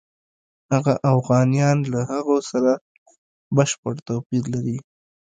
هغه اوغانیان له هغو سره بشپړ توپیر لري.